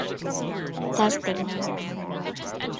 That's the one.